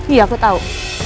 iya aku tahu